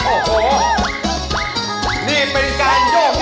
โอ้โหนี่เป็นการโยก